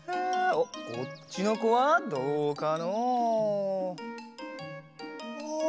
おっこっちのこはどうかのう。